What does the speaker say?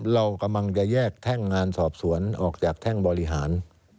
เรากำลังจะแยกแท่งงานสอบสวนออกจากแท่งบริหาร